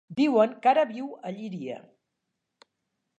Diuen que ara viu a Llíria.